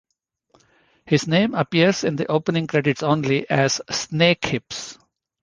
His name appears in the opening credits only as "Snake Hips".